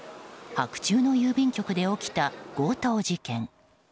白昼の郵便局で起きた強盗事件。